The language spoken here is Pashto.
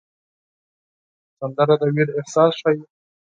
سندره د ویر احساس ښيي